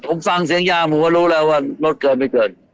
ผมฟังเสียงยาผมก็รู้แล้วว่ารถเกิดไม่เกิน